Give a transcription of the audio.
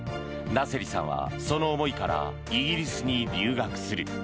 ナセリさんはその思いからイギリスに留学する。